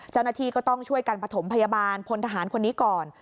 เจ้าหน้าที่ก็ต้องช่วยกันประถมพยาบาลพลทหารคนนี้ก่อน